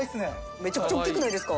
めちゃくちゃおっきくないですか？